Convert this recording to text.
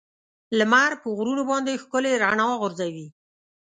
لمر په غرونو باندې ښکلي رڼا غورځوي.